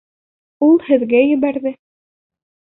Ул һеҙгә ебәрҙе.